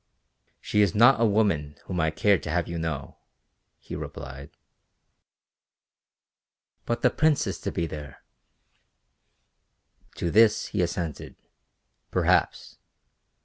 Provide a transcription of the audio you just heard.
"She is not a woman whom I care to have you know," he replied. "But the Prince is to be there!" To this he assented. "Perhaps."